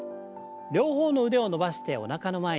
両方の腕を伸ばしておなかの前に。